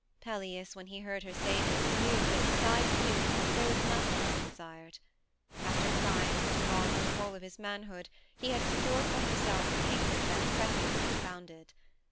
Pelias, when he heard her say this, knew that besides youth there was nothing that he desired. After crimes that had gone through the whole of his manhood he had secured for himself the kingdom that Cretheus had founded.